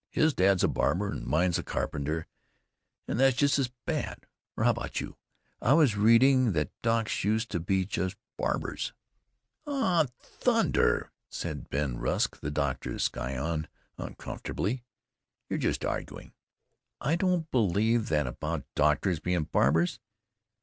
His dad 's a barber, and mine 's a carpenter, and that's just as bad. Or how about you? I was reading that docs used to be just barbers." "Aw, thunder!" said Ben Rusk, the doctor's scion, uncomfortably, "you're just arguing. I don't believe that about doctors being barbers.